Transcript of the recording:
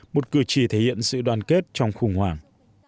một cử chỉ thể hiện sự đoàn kết trong khủng hoảng